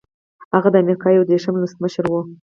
هغه د امریکا یو دېرشم ولسمشر و.